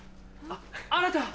あなた！